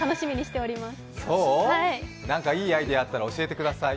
何かいいアイデアあったら教えてください。